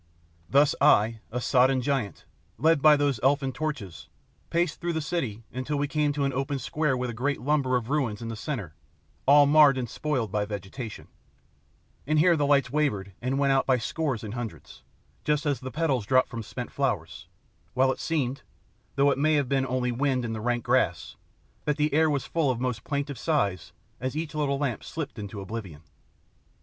Thus I, a sodden giant, led by those elfin torches, paced through the city until we came to an open square with a great lumber of ruins in the centre all marred and spoiled by vegetation; and here the lights wavered, and went out by scores and hundreds, just as the petals drop from spent flowers, while it seemed, though it may have been only wind in the rank grass, that the air was full of most plaintive sighs as each little lamp slipped into oblivion.